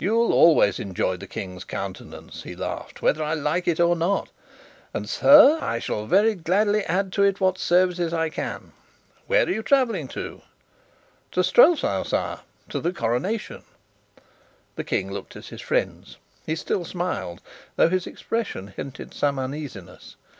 you'll always enjoy the King's countenance," he laughed, "whether I like it or not; and, sir, I shall very gladly add to it what services I can. Where are you travelling to?" "To Strelsau, sire to the coronation." The King looked at his friends: he still smiled, though his expression hinted some uneasiness.